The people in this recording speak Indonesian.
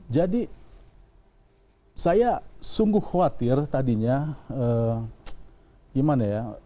jadi saya sungguh khawatir tadinya gimana ya